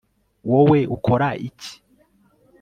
Wowe ukora iki